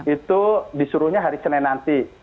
itu disuruhnya hari senin nanti